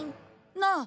なあ。